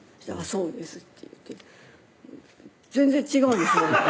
「そうです」って言って全然違うんです